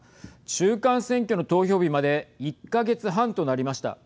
中間選挙の投票日まで１か月半となりました。